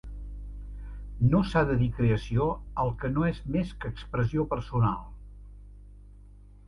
No s'ha de dir creació al que no és més que expressió personal.